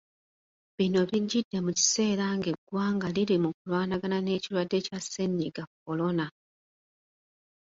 Bino bijjidde mu kiseera ng’eggwanga liri mu kulwanagana n’ekirwadde kya Ssennyiga kolona.